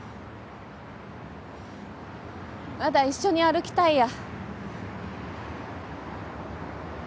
まだ一緒に歩きたいや。